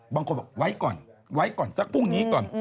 บางคนบอกไว้ก่อนไว้ก่อนสักพรุ่งนี้ก่อน